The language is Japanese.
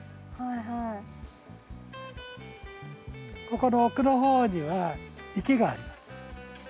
ここの奥の方には池があります。